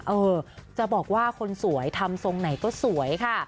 เออจะบอกว่าคนสวยทำทรงไหนก็สวยค่ะ